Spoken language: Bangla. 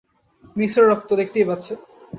মিশ্র রক্ত, দেখতেই পাচ্ছেন।